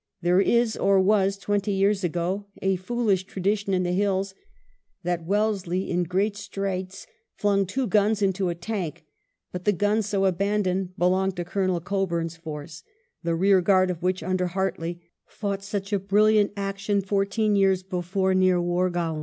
There is, or was twenty years ago, a foolish tradition in the hills that Wellesley in great straits flung two guns into a tank ; but the guns so abandoned belonged to Colonel Cockbum's force, the rear guard of which under Hartley fought such a brilliant action fourteen years before near Wargaom.